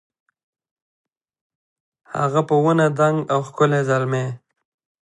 هغه په ونه دنګ او ښکلی زلمی